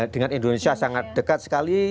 dengan indonesia sangat dekat sekali